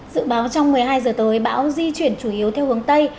dự báo trong một mươi hai giờ tới bão di chuyển chủ yếu theo hướng tây